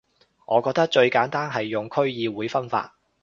我覺得最簡單係用區議會分法